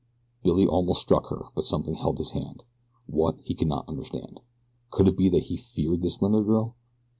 Billy almost struck her; but something held his hand. What, he could not understand. Could it be that he feared this slender girl?